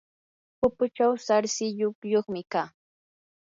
pupuchaw sarsilluyuqmi kaa.